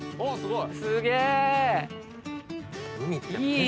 すごい！